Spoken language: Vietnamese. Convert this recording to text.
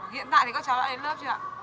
hiện tại thì có cháu đã đến lớp chưa ạ